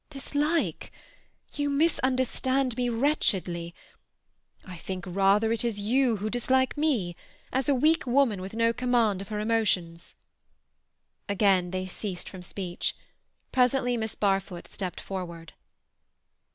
"Dislike? You misunderstand me wretchedly. I think rather it is you who dislike me, as a weak woman with no command of her emotions." Again they ceased from speech. Presently Miss Barfoot stepped forward.